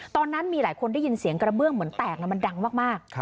ตอนนั้นมีหลายคนได้ยินเสียงกระเบื้องเหมือนแตกมันดังมาก